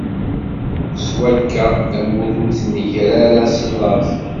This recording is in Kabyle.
Swakka, tamurt ur tnegger ara si laẓ.